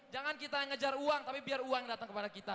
jangan kita ngejar uang tapi biar uang datang kepada kita